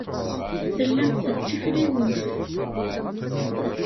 Tellamt tettifliwemt.